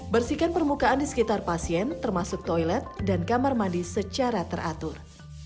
bersihkan permukaan di sekitar pasien termasuk toilet dan kamar mandi secara teratur